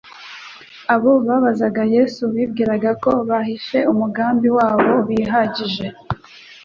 Abo babazaga Yesu bibwiraga ko bahishe umugambi wabo bihagije;